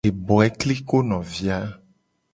Eboe kliko novi a.